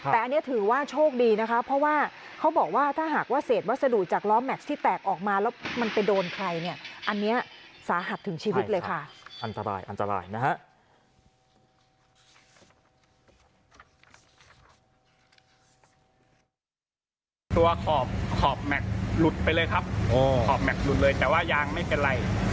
ตัวขอบแม็กซ์หลุดไปเลยครับอย่างไม่เป็นไร